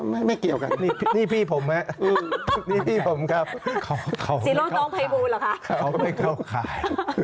ไม่ไม่เกี่ยวกันนี่พี่ผมนะครับนี่พี่ผมครับขอไม่เข้าขายยังไงนะอาจารย์